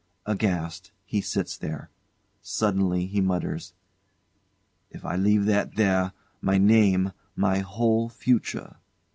Aghast, he sits there. Suddenly he mutters:] If I leave that there my name my whole future!